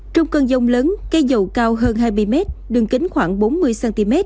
trong cơn giông lớn cây dầu cao hơn hai mươi m đường kính khoảng bốn mươi cm